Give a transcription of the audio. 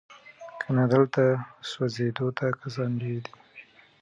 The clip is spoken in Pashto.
کنه دلته سوځېدو ته کسان ډیر دي